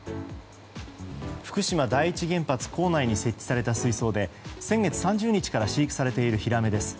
福島第一原発構内に設置された水槽で先月３０日から飼育されているヒラメです。